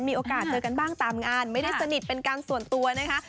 มีโอกาสเจอกันบ้างตามงานไม่ได้สนิทเป็นการส่วนตัวนะคะ